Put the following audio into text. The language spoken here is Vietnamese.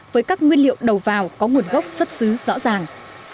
với các nguyên liệu đầu vào có nguồn gốc xuất xứ rõ ràng